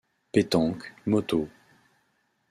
Pétanque, moto...